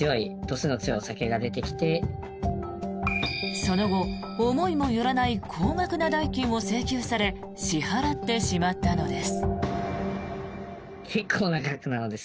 その後、思いもよらない高額な代金を請求され支払ってしまったのです。